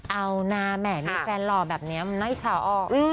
เอานะแหมมีแฟนหล่อแบบนี้มันไม่เฉาออก